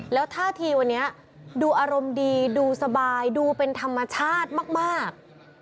แล้วท่าทีวันนี้ดูอารมณ์ดีดูสบายดูเป็นธรรมชาติมาก